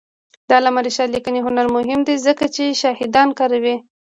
د علامه رشاد لیکنی هنر مهم دی ځکه چې شاهدان کاروي.